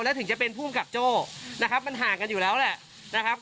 แล้วถึงจะเป็นภูมิกับโจ้นะครับมันห่างกันอยู่แล้วแหละนะครับ